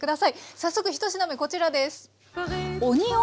早速１品目こちらです。